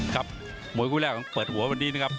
ครับมวยคู่แรกของเปิดหัววันนี้นะครับ